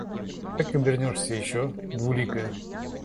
Как обернешься еще, двуликая?